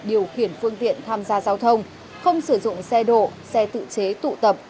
điều khiển phương tiện tham gia giao thông không sử dụng xe độ xe tự chế tụ tập